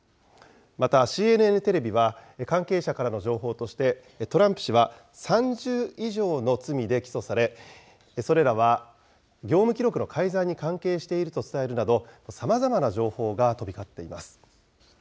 また、ＣＮＮテレビは、関係者からの情報として、トランプ氏は３０以上の罪で起訴され、それらは業務記録の改ざんに関係していると伝えるなど、さまざまな情報が飛び交っています。